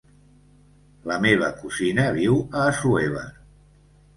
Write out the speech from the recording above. La meva cosina viu a Assuévar.